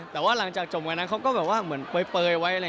แต่ว่าหลังจากจบกันนั้นเขาก็เหมือนเปลยไว้